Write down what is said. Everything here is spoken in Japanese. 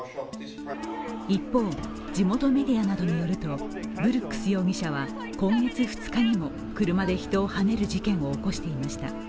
一方、地元メディアなどによるとブルックス容疑者は今月２日にも車で人をはねる事件を起こしていました。